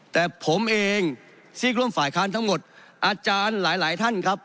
แต่ผมเองซีกร่วมฝ่ายค้านทั้งหมดอาจารย์หลายท่านครับ